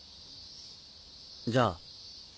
じゃあ。